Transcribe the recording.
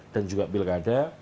dan juga pilkada